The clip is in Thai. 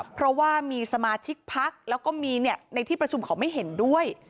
เพราะว่ามีสมาชิกพักแล้วก็มีในที่ประชุมเขาไม่เห็นด้วย